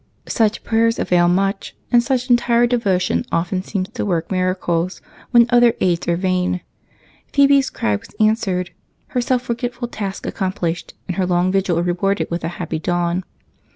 Such prayers avail much, and such entire devotion often seems to work miracles when other aids are in vain. Phebe's cry was answered, her self forgetful task accomplished, and her long vigil rewarded with a happy dawn.